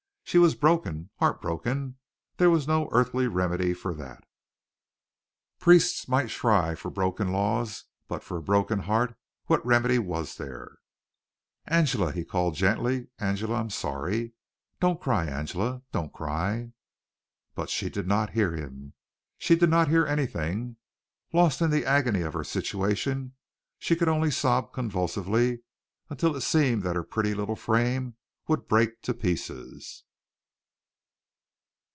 She was broken heart broken. There was no earthly remedy for that. Priests might shrive for broken laws, but for a broken heart what remedy was there? "Angela!" he called gently. "Angela! I'm sorry! Don't cry! Angela!! Don't cry!" But she did not hear him. She did not hear anything. Lost in the agony of her situation, she could only sob convulsively until it seemed that her pretty little frame would break to pieces.